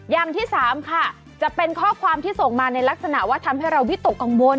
อย่างที่สามค่ะจะเป็นข้อความที่ส่งมาในลักษณะว่าทำให้เราวิตกกังวล